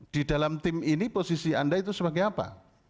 di dalam tim ini posisi anda itu sebagai apa